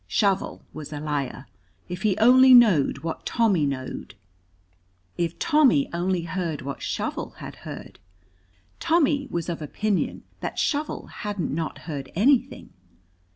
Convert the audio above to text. Shovel was a liar. If he only knowed what Tommy knowed! If Tommy only heard what Shovel had heard! Tommy was of opinion that Shovel hadn't not heard anything.